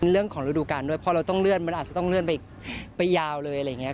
เรื่องของการด้วยพอเราต้องเลื่อนมันอาจจะต้องเลื่อนไปยาวเลยอะไรอย่างนี้